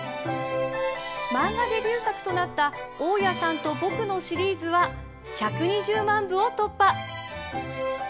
漫画デビュー作となった「大家さんと僕」のシリーズは１２０万部を突破。